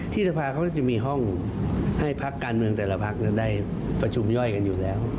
สภาเขาจะมีห้องให้พักการเมืองแต่ละพักได้ประชุมย่อยกันอยู่แล้ว